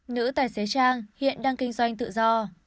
nữ tài xế trang hiện đang kinh doanh tự do